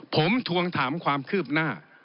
ผมทวงถามความคืบหน้า